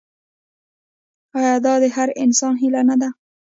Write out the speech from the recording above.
آیا دا د هر انسان هیله نه ده؟